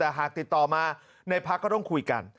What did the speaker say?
แต่หากติดต่อมาในพักก็ต้องคุยกัน